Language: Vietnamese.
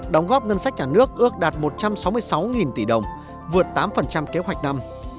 đóng góp ngân sách nhà nước ước đạt một trăm sáu mươi sáu tỷ đồng vượt tám kế hoạch năm